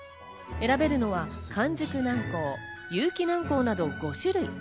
選べるのは完熟南高、有機南高など５種類。